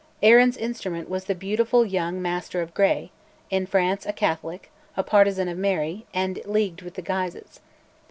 Arran's instrument was the beautiful young Master of Gray, in France a Catholic, a partisan of Mary, and leagued with the Guises.